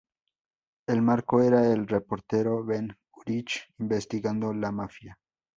El marco era el reportero Ben Urich investigando la mafia.